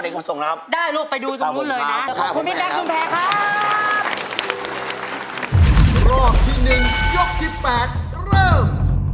รอบที่๑ยกที่๘เริ่ม